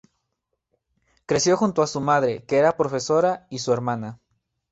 Creció junto a su madre, que era profesora, y su hermana.